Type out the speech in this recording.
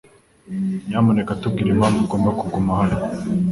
Nyamuneka tubwire impamvu ugomba kuguma hano.